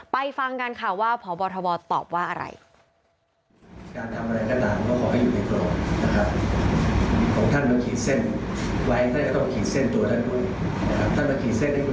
ฟังกันค่ะว่าพบทบตอบว่าอะไร